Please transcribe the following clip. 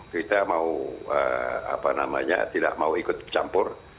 kita mau apa namanya tidak mau ikut campur